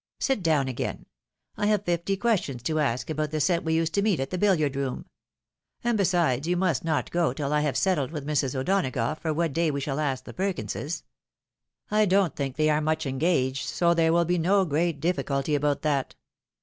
" Sit down again ; I have fifty questions to ask about the set we used to meet at tlie bOliard room. And besides, you must not go, till I have settled with Mrs. O'Donagough for what day we shall ask the Perkinses. I don't think they are much engaged, so there will be no great difficulty about that.